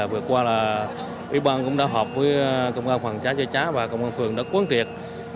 vừa qua là ủy ban cũng đã họp với công an phòng cháy chữa cháy và công an phường đã quán triệt